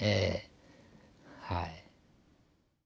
はい。